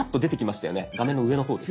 画面の上の方です。